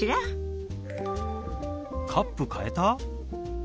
カップ変えた？